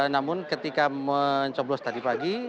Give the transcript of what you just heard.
namun ketika mencoblos tadi pagi